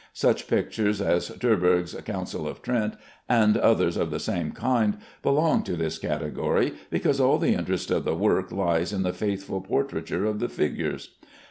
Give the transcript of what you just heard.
Such pictures as Terburg's "Council of Trent," and others of the same kind, belong to this category, because all the interest of the work lies in the faithful portraiture of the figures.